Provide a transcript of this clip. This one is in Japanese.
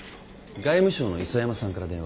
外務省の磯山さんから電話。